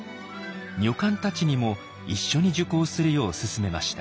女官たちにも一緒に受講するよう勧めました。